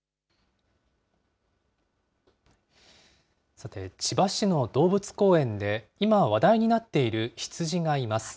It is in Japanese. さて、千葉市の動物公園で、今、話題になっている羊がいます。